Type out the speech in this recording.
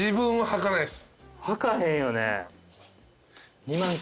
履かへんよね。